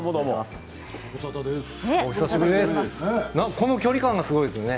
この距離感がすごいですね。